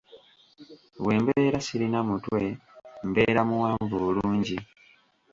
Bwe mbeera sirina mutwe mbeera muwanvu bulungi.